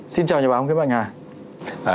xin chào nhà báo nguyễn mạnh hà